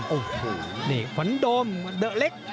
โอ้โหนี่ขวัญโดมเดอะเล็ก